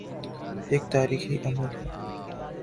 ایک تاریخی عمل ہے۔